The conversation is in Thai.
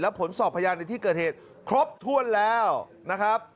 ผลสอบพยานในที่เกิดเหตุครบถ้วนแล้วนะครับ